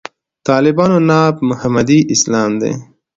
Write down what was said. طالبانو ناب محمدي اسلام دی.